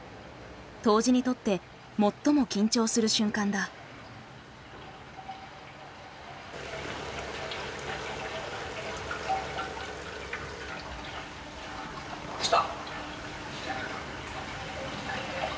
杜氏にとって最も緊張する時間だ。来た。